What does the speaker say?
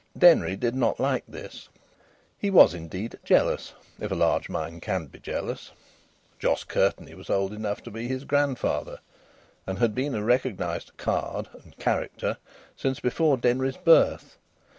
Denry did not like this. He was indeed jealous, if a large mind can be jealous. Jos Curtenty was old enough to be his grandfather, and had been a recognised "card" and "character" since before Denry's birth.